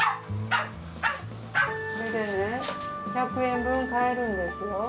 これ１００円分買えるんですよ。